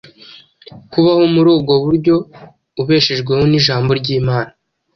Kubaho muri ubwo buryo ubeshejweho n’Ijambo ry’Imana